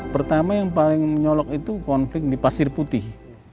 pertama yang paling menyolok itu konflik di pasir putih